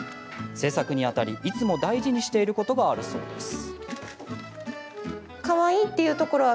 製作にあたりいつも大事にしていることがあるそうです。